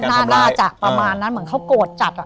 ค่ะน่าน่าจ่ะประมาณนั้นแบบเขากรดจัดอะ